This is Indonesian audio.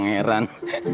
gak ada perang